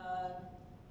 menurut guru besar akutansi